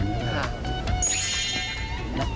ค่ะ